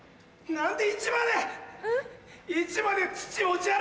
何で。